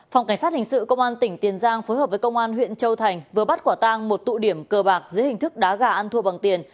phòng cảnh sát hình sự công an tỉnh tiền giang phối hợp với công an huyện châu thành vừa bắt quả tang một tụ điểm cờ bạc dưới hình thức đá gà ăn thua bằng tiền